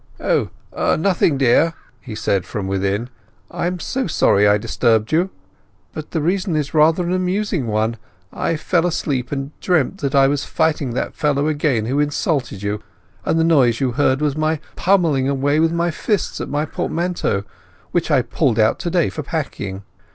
"Oh, nothing, dear," he said from within. "I am so sorry I disturbed you! But the reason is rather an amusing one: I fell asleep and dreamt that I was fighting that fellow again who insulted you, and the noise you heard was my pummelling away with my fists at my portmanteau, which I pulled out to day for packing.